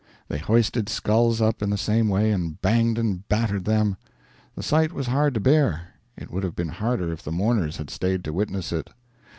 They hoisted skulls up in the same way and banged and battered them. The sight was hard to bear; it would have been harder if the mourners had stayed to witness it.